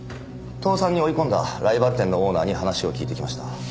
倒産に追い込んだライバル店のオーナーに話を聞いてきました。